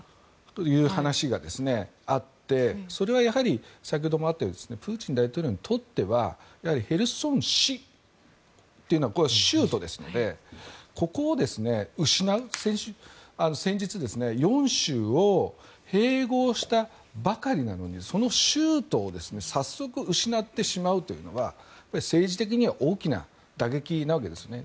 そういう話があってそれは、先ほどもあったようにプーチン大統領にとってはヘルソン市というのは州都ですので、ここを失う先日４州を併合したばかりなのにその州都を早速失ってしまうとなれば政治的に大きな打撃なわけですね。